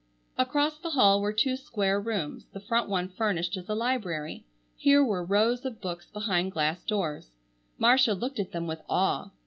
Across the hall were two square rooms, the front one furnished as a library. Here were rows of books behind glass doors. Marcia looked at them with awe.